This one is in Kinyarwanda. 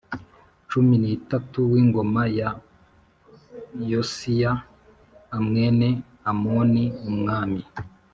cumi n itatu w ingoma ya Yosiya a mwene Amoni umwami